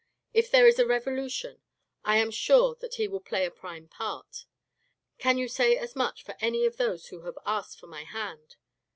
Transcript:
If there is a revolution, I am sure that he will play a prime part. Can you say as much for any of those who have asked for my hand